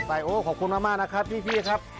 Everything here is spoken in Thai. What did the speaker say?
โอ้ขอบคุณมากนะครับพี่ครับ